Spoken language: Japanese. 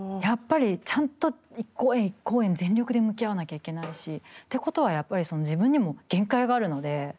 やっぱりちゃんと一公演一公演全力で向き合わなきゃいけないしってことはやっぱり自分にも限界があるので。